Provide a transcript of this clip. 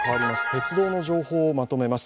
鉄道の情報をまとめます。